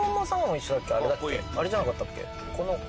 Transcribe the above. あれじゃなかったっけ？